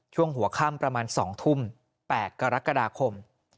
ช่วงหัวค่ำประมาณ๒ทุ่ม๘กรกฎาคม